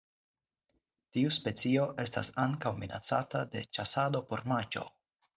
Tiu specio estas ankaŭ minacata de ĉasado por manĝo.